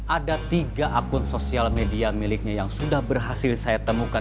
ada tiga akun sosial media miliknya yang sudah berhasil saya temukan